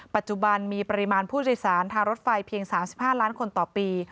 ปัจจุบันมีปริมาณผู้โดยสารทางรถไฟเพียง๓๕ล้านคนต่อปี